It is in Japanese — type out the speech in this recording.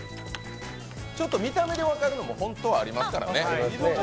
見た目で分かるのも本当はありますからね。